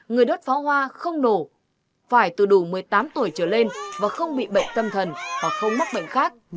người đốt pháo hoa không nổ phải từ đủ một mươi tám tuổi trở lên và không bị bệnh tâm thần hoặc không mắc bệnh khác